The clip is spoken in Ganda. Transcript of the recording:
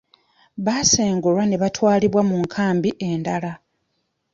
Baasengulwa ne batwalibwa mu nkambi endala.